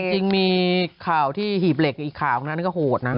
จริงมีข่าวที่หีบเหล็กอีกข่าวตรงนั้นก็โหดนะ